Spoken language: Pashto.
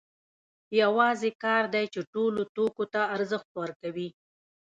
یوازې کار دی چې ټولو توکو ته ارزښت ورکوي